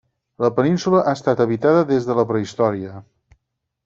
La península ha estat habitada des de la prehistòria.